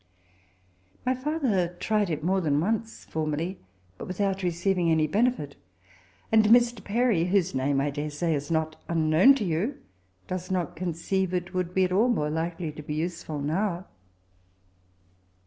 ' My father tried it more than once, formerly, but without receiving any be nefit ; and Mr. Perry, whose name, I dare say, is not unknown to vou, does not conceive it would be at all more likely to be useful now.